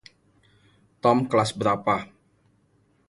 Tom kelas berapa?